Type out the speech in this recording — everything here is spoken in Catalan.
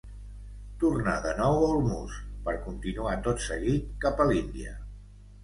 Tornà de nou a Ormuz, per continuar tot seguit cap a l'Índia.